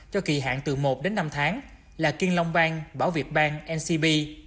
cho kỳ hàng từ một đến năm tháng là kiên long bank bảo việt bank ncb